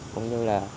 cũng như là